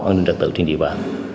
an ninh trật tự trên dịp và